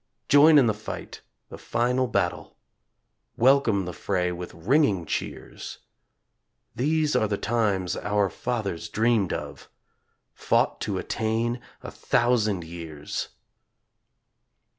Join in the fight the Final Battle, Welcome the fray with ringing cheers. These are the times our fathers dreamed of, Fought to attain a thousand years.